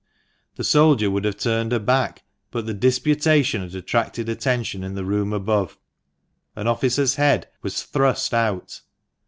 The soldier would have turned her back, but the disputation had attracted attention in the room above. An officer's head was thrust out.